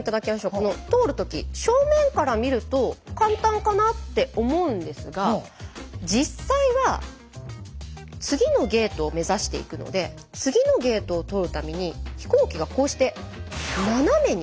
この通る時正面から見ると簡単かなって思うんですが実際は次のゲートを目指していくので次のゲートを通るために飛行機がこうして斜めに。